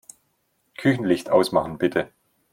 Küchenlicht ausmachen, bitte.